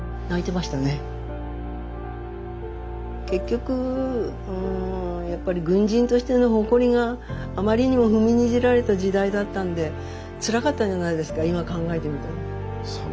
結局軍人としての誇りがあまりにも踏みにじられた時代だったんでつらかったんじゃないですか今考えてみると。